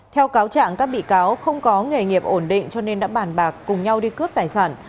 theo cáo trạng các bị cáo không có nghề nghiệp ổn định cho nên đã bàn bạc cùng nhau đi cướp tài sản